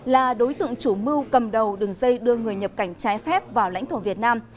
là đối tượng chủ mưu cầm đầu đường dây đưa người nhập cảnh trái phép vào lãnh thổ việt nam